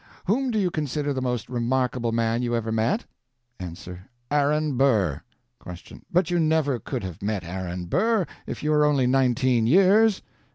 Whom do you consider the most remarkable man you ever met? A. Aaron Burr. Q. But you never could have met Aaron Burr, if you are only nineteen years!